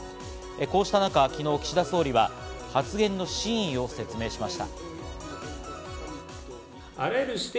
こうした中、昨日、岸田総理は発言の真意を説明しました。